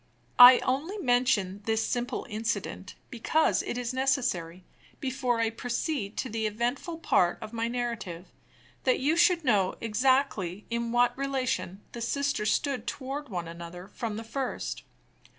I only mention this simple incident, because it is necessary, before I proceed to the eventful part of my narrative, that you should know exactly in what relation the sisters stood toward one another from the first.